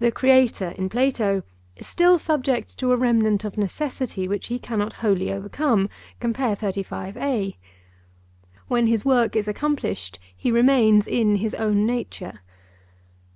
The Creator in Plato is still subject to a remnant of necessity which he cannot wholly overcome. When his work is accomplished he remains in his own nature.